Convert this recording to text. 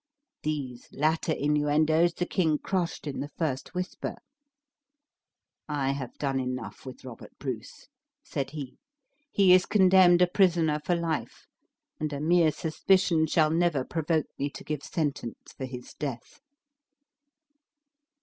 These latter innuendoes the king crushed in the first whisper. "I have done enough with Robert Bruce," said he. "He is condemned a prisoner for life, and a mere suspicion shall never provoke me to give sentence for his death."